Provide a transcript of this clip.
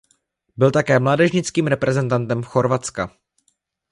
Byl také mládežnickým reprezentantem Chorvatska.